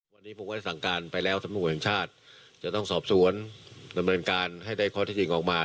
วันนี้ผมก็ได้สั่งการไปแล้วสำนวนแห่งชาติจะต้องสอบสวนดำเนินการให้ได้ข้อที่จริงออกมา